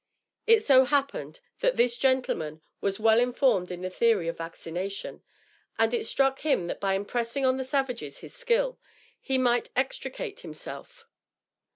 It so happened that this gentleman was well informed in the theory of vaccination, and it struck him that by impressing on the savages his skill, he might extricate himself.